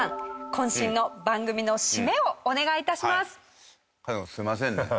渾身の番組の締めをお願い致します。